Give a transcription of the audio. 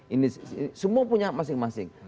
ini semua punya masing masing